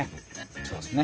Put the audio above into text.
そうですね。